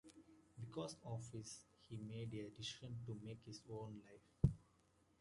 Because of this, he made a decision to take his own life.